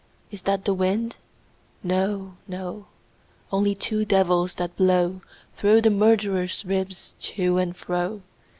Is that the wind ? No, no ; Only two devils, that blow Through the murderer's ribs to and fro.